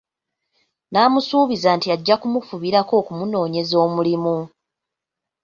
N’amusuubiza nti ajja kumufubirako okumunoonyeza omulimu.